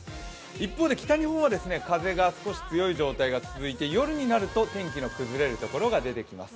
一方で北日本は風が少し強い状態が続いて夜になると天気の崩れるところが出てきます。